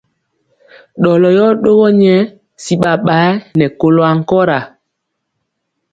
Ɗɔlɔ yɔ ɗogɔ nyɛ si ɓaɓayɛ nɛ kolɔ ankɔra.